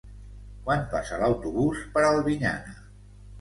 Quan passa l'autobús per Albinyana?